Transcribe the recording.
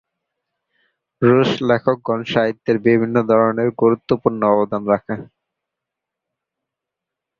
রুশ লেখকগণ সাহিত্যের বিভিন্ন ধরনে গুরুত্বপূর্ণ অবদান রাখেন।